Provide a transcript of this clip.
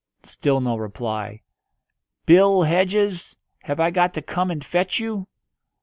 Still no reply. "Bill Hedges, have I got to come and fetch you?"